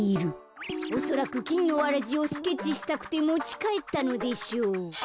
おそらくきんのわらじをスケッチしたくてもちかえったのでしょう。